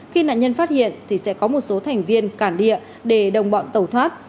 khi nạn nhân phát hiện thì sẽ có một số thành viên cản địa để đồng bọn tẩu thoát